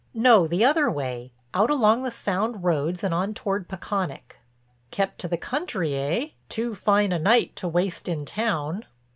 "No, the other way, out along the Sound roads and on toward Peconic." "Kept to the country, eh? Too fine a night to waste in town."